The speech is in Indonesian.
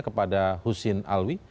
kepada husin alwi